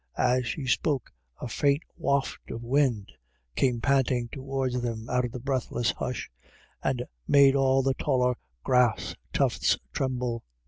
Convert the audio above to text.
As she spoke, a faint waft of wind came panting towards them out of the breath less hush, and made all the taller grass tufts tremble.